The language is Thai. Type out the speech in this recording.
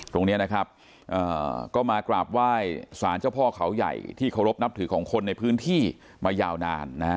ตรงนี้นะครับก็มากราบไหว้สารเจ้าพ่อเขาใหญ่ที่เคารพนับถือของคนในพื้นที่มายาวนานนะฮะ